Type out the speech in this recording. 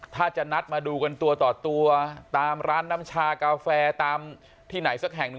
ถ้าจะนัดมาดูกันตัวต่อตัวตามร้านน้ำชากาแฟตามที่ไหนสักแห่งหนึ่ง